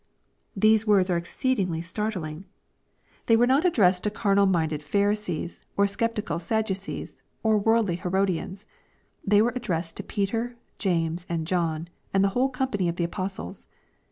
These words are exceedingly startling. They were not LUKE, CHAP. XXI. 383 addressed io carnal minded Pharisees, or sceptical Sad ducees, or worldly Herodians. They were addressed to Peter, James, and John, and the whole company of the Apostles.